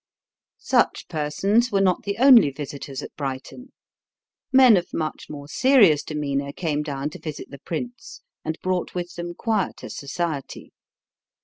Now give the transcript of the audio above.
Such persons were not the only visitors at Brighton. Men of much more serious demeanor came down to visit the prince and brought with them quieter society.